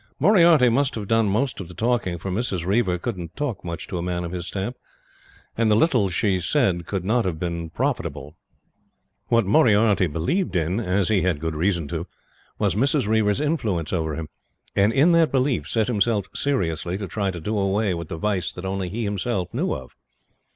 Moriarty must have done most of the talking, for Mrs. Reiver couldn't talk much to a man of his stamp; and the little she said could not have been profitable. What Moriarty believed in, as he had good reason to, was Mrs. Reiver's influence over him, and, in that belief, set himself seriously to try to do away with the vice that only he himself knew of.